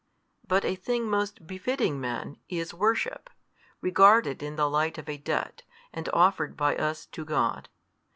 But a thing most befitting men is worship, regarded in the light of a debt, and offered by us to God.